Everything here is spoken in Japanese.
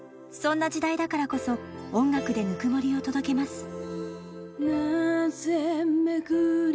［そんな時代だからこそ音楽でぬくもりを届けます］